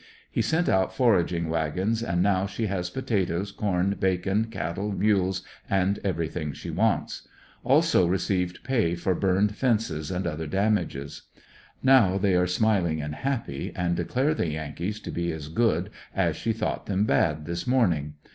He sent out foraging wagons, and now she has potatoes, corn, bacon, cattle, mules, and everything she wants. Also received pay for burned fences and other damages. Now they are smiling and happy and declare the Yankees to be as good as she thought them bad this morning.